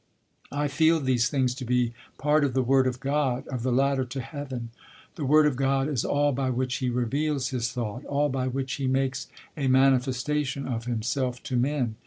I feel these things to be part of the word of God, of the ladder to Heaven. The word of God is all by which He reveals His thought, all by which He makes a manifestation of Himself to men.